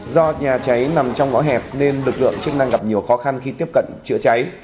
do nhà cháy nằm trong ngõ hẹp nên lực lượng chức năng gặp nhiều khó khăn khi tiếp cận chữa cháy